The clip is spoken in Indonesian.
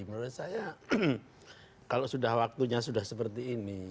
menurut saya kalau sudah waktunya sudah seperti ini